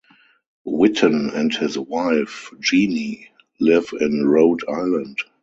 Whitten and his wife Jeanne live in Rhode Island.